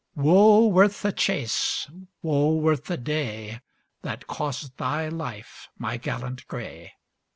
"Wo worth the chase. Wo worth the day, That cost thy life, my gallant grey!"